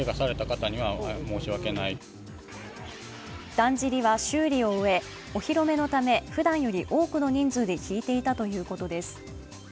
だんじりは修理を終えお披露目のためふだんより多くの人数でひいていたということです。